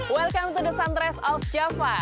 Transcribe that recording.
selamat datang di the sunrise of java